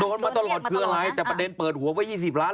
มาตลอดคืออะไรแต่ประเด็นเปิดหัวไว้๒๐ล้าน